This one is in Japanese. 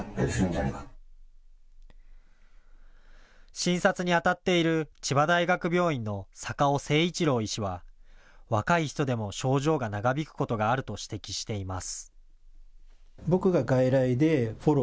診察にあたっている千葉大学病院の坂尾誠一郎医師は若い人でも症状が長引くことがあると指摘しています。